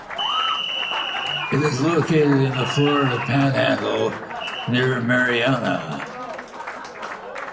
It is located in the Florida Panhandle near Marianna.